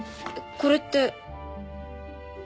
これって。